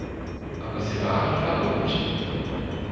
Aber sie waren verlobt.